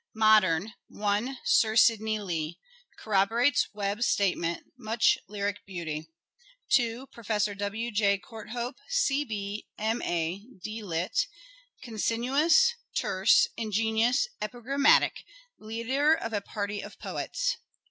Modern : 1. Sir Sidney Lee. Corroborates Webbe's statement — much lyric beauty. 2. Professor W. J. Courthope, C.B., M.A., D.Litt. Concinnous, terse, ingenious, epigram matic— leader of a party of poets.